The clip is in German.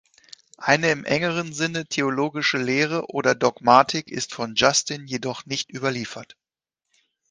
Eine im engeren Sinne theologische Lehre oder Dogmatik ist von Justin jedoch nicht überliefert.